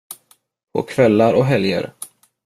På kvällar och helger.